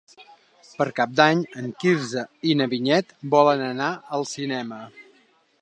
Per Cap d'Any en Quirze i na Vinyet volen anar al cinema.